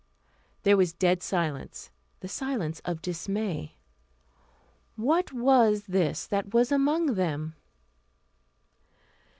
There was a dead silence the silence of dismay. What was this that was among them?